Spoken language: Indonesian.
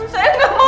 saya gak mau sembuh